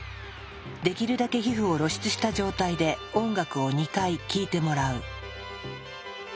できるだけ皮膚を露出した状態で音楽を２回聞いてもらう。